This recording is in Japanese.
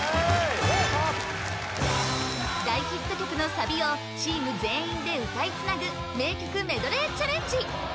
大ヒット曲のサビをチーム全員で歌いつなぐ名曲メドレーチャレンジ！